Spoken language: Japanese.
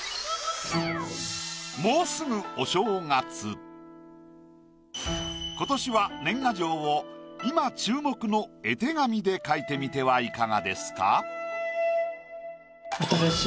もうすぐ今年は年賀状を今注目の絵手紙で描いてみてはいかがですか？